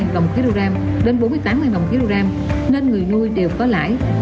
bốn mươi năm đồng kg đến bốn mươi tám đồng kg nên người nuôi đều có lãi